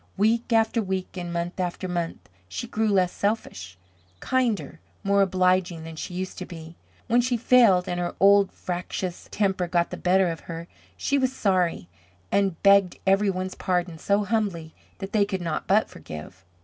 Week after week and month after month she grew less selfish, kinder, more obliging than she used to be. When she failed and her old fractious temper got the better of her, she was sorry and begged every one's pardon so humbly that they could not but forgive.